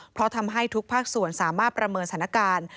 เพราะทำให้ทุกภาคส่วนสามารถประเมินสถานการณ์